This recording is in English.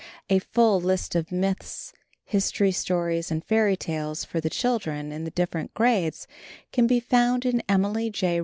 A full list of myths, history stories and fairy tales for the children in the different grades can be found in Emily J.